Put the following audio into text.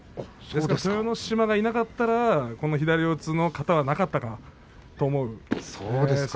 豊ノ島がいなかったら左四つの型はなかったと思うんですね。